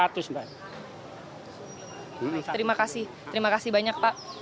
terima kasih terima kasih banyak pak